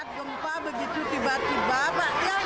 pemilu panggilan sekolah berkata